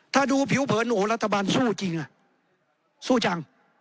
ถ้าดูผิวเผินโอ้โหรัฐบาลสู้จริงอ่ะสู้จัง